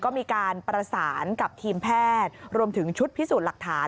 ก็มีการประสานกับทีมแพทย์รวมถึงชุดพิสูจน์หลักฐาน